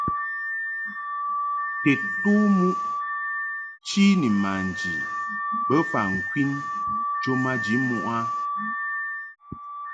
Tedtom muʼ chi ni manji bofa ŋkwin cho maji muʼ a.